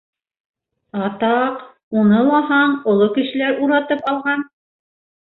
Атаҡ, уны лаһаң оло кешеләр уратып алған!